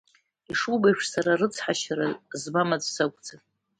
Ишубо еиԥш, сара рыцҳашьара змам аӡә сакәӡам.